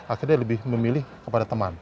akhirnya lebih memilih kepada teman